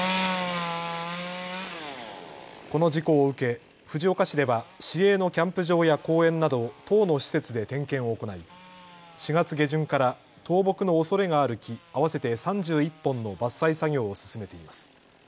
この事故を受け藤岡市では市営のキャンプ場や公園など１０の施設で点検を行い４月下旬から倒木のおそれがある木合わせて３１本の伐採作業を進めています。